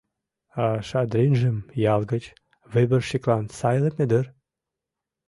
— А Шадринжым ял гыч выборщиклан сайлыме дыр?